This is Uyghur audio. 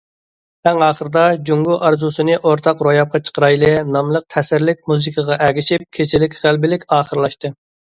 ئەڭ ئاخىرىدا،« جۇڭگو ئارزۇسىنى ئورتاق روياپقا چىقىرايلى» ناملىق تەسىرلىك مۇزىكىغا ئەگىشىپ، كېچىلىك غەلىبىلىك ئاخىرلاشتى.